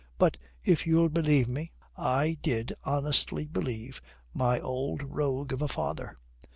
But if you'll believe me, I did honestly believe my old rogue of a father.